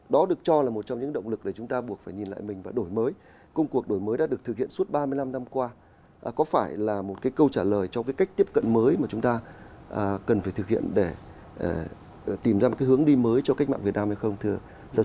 đó được cho là một trong những động lực để chúng ta buộc phải nhìn lại mình và đổi mới công cuộc đổi mới đã được thực hiện suốt ba mươi năm năm qua có phải là một cái câu trả lời cho cách tiếp cận mới mà chúng ta cần phải thực hiện để tìm ra một hướng đi mới cho cách mạng việt nam hay không